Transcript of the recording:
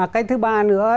cái thứ ba nữa